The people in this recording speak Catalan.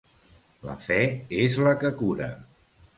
La fe és la que cura.